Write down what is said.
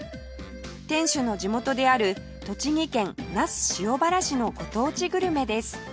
店主の地元である栃木県那須塩原市のご当地グルメです